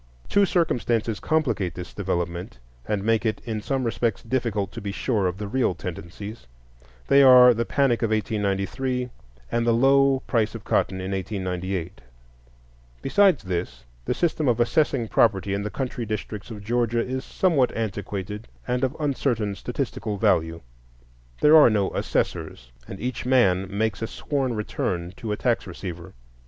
Two circumstances complicate this development and make it in some respects difficult to be sure of the real tendencies; they are the panic of 1893, and the low price of cotton in 1898. Besides this, the system of assessing property in the country districts of Georgia is somewhat antiquated and of uncertain statistical value; there are no assessors, and each man makes a sworn return to a tax receiver.